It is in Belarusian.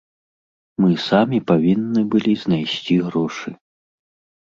Мы самі павінны былі знайсці грошы.